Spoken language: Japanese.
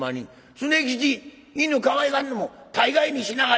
常吉犬かわいがんのも大概にしなはれや」。